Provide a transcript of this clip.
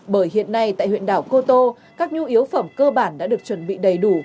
bởi hiện nay tại huyện đảo cô tô các nhu yếu phẩm cơ bản đã được chuẩn bị đầy đủ